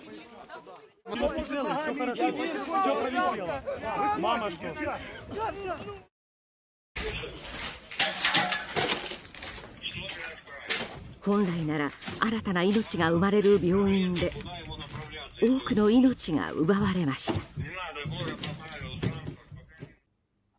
本来なら新たな命が生まれる病院で多くの命が奪われました。